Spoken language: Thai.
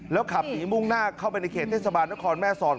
ขับหนีมุ่งหน้าเข้าไปในเขตเทศบาลนครแม่สอด